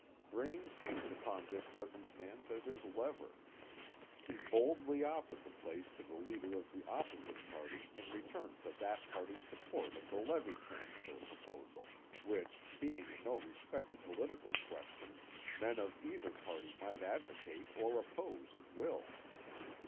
Braine seized upon this circumstance as his lever. He boldly offered the place to the leader of the opposite party in return for that party's support of the levee transfer proposal, which, being in no respect a political question, men of either party might advocate or oppose at will.